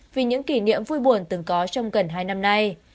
vì những kỷ niệm vui buồn từng có trong gần hai năm nay